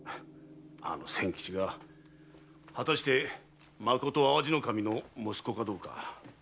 あの千吉が果たしてまこと淡路守の息子かどうか。